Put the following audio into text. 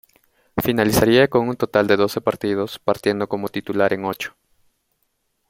Finalizaría con un total de doce partidos, partiendo como titular en ocho.